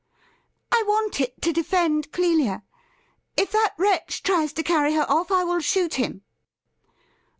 'I want it to defend Clelia. If that ^vretch tries to carry her off I will shoot him